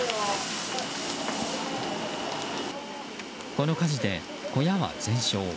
この火事で小屋は全焼。